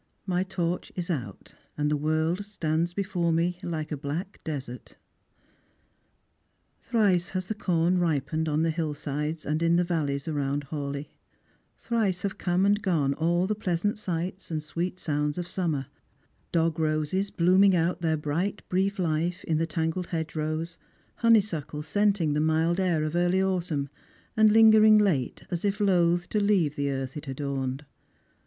. My torch is out, and the world stands before mo Like a black desert." TnRiCB liaB the com ripened on the hillsides and in the valleyt round Hawleigh ; thrice have come and gone all the pleasant eights and sweet sounds of summer — dog roses blooming out their bright brief life in the tangled hedgerows ; honeysuckle scenting the mild air of early autumn, and lingering late as if loth to leave the earth it adorned.